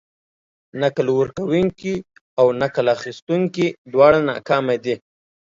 نکل ورکونکي او نکل اخيستونکي دواړه ناکامه دي.